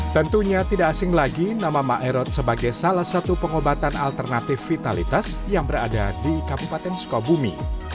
tentunya tidak asing lagi nama maerot sebagai salah satu pengobatan alternatif vitalitas yang berada di kabupaten sukabumi